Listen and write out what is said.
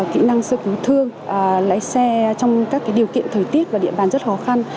kỹ năng sơ cứu thương lái xe trong các điều kiện thời tiết và địa bàn rất khó khăn